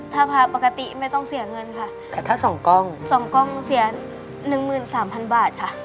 ถ้าพาปกติไม่ต้องเสียเงินค่ะแต่ถ้าสองกล้องสองกล้องเสียหนึ่งหมื่นสามพันบาทค่ะ